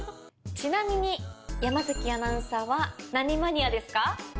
ちなみに山アナウンサーは何マニアですか？